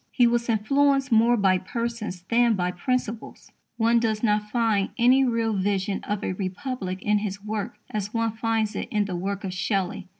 He was influenced more by persons than by principles. One does not find any real vision of a Republic in his work as one finds it in the work of Shelley.